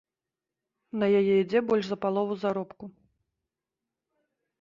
На яе ідзе больш за палову заробку.